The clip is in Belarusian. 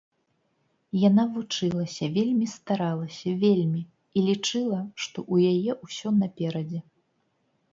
Яна вучылася, вельмі старалася, вельмі, і лічыла, што ў яе ўсё наперадзе.